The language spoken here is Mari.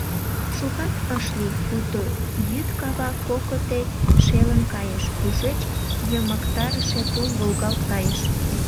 Шукат ыш лий — пуйто йӱд кава кокыте шелын кайыш, тушеч йымыктарыше тул волгалт кайыш.